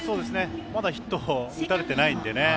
まだヒットを打たれてないんでね。